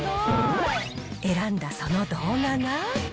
選んだその動画が。